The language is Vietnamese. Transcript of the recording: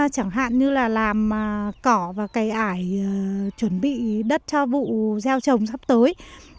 chẳng hạn như là làm cỏ và cày ải chuẩn bị đất cho vụ gieo trồng sắp tới